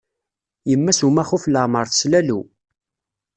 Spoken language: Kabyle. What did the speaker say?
Yemma-s n umaxuf leεmer teslalew.